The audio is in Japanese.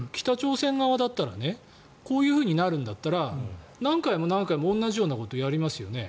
まさに、北朝鮮側だったらこういうふうになるんだったら何回も何回も同じようなことをやりますよね。